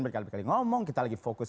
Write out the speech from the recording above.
berkali kali ngomong kita lagi fokus